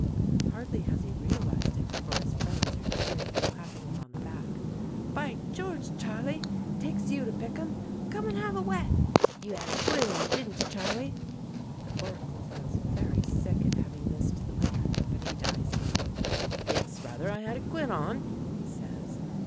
Hardly has he realised it, before his friends are cheering and clapping him on the back. "By George, Charley, it takes you to pick 'em." "Come and 'ave a wet!" "You 'ad a quid in, didn't you, Charley?" The Oracle feels very sick at having missed the winner, but he dies game. "Yes, rather; I had a quid on," he says.